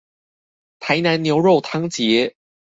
台南牛肉湯節